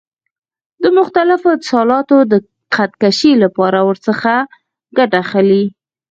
د مختلفو اتصالاتو د خط کشۍ لپاره ورڅخه ګټه اخلي.